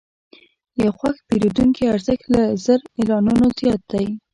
د یو خوښ پیرودونکي ارزښت له زر اعلانونو زیات دی.